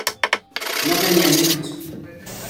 No tenían hijos.